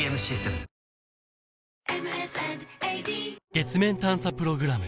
月面探査プログラム